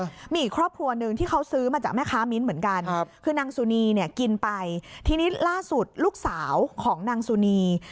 มีอีกครอบครัวหนึ่งที่เขาซื้อมาจากแม่ค้ามิ้นเหมือนกัน